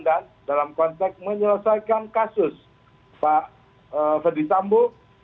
dan dalam konteks menyelesaikan kasus pak fadli sambu